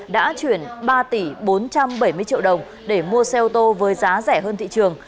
đã chuyển ba tỷ bốn trăm bảy mươi triệu đồng để mua xe ô tô với giá rẻ hơn thị trường